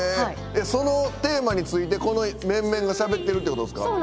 そのテーマについてこの面々がしゃべってるってことですか？